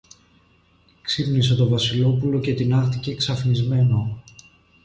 Ξύπνησε το Βασιλόπουλο και τινάχτηκε ξαφνισμένο.